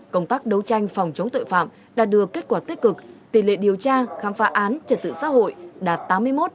công tác đấu tranh phòng chống tội phạm đã đưa kết quả tích cực tỷ lệ điều tra khám phá án trật tự xã hội đạt tám mươi một tám mươi ba